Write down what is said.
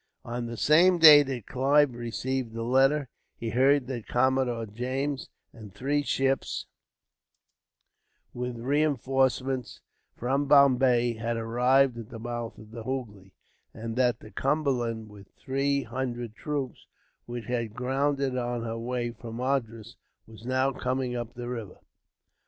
On the same day that Clive received the letter, he heard that Commodore James and three ships, with reinforcements from Bombay, had arrived at the mouth of the Hoogly; and that the Cumberland, with three hundred troops, which had grounded on her way from Madras, was now coming up the river.